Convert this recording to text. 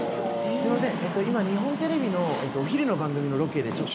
すいません